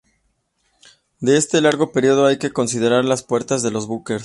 De este largo periodo hay que considerar las puertas de los bunkers.